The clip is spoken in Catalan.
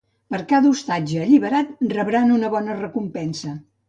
Per cada ostatge alliberat rebran una bona recompensa.